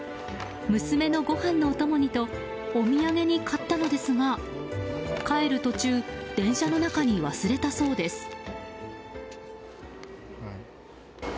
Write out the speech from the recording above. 娘のごはんのお供にとお土産に買ったのですが帰る途中電車の中に忘れたそうです。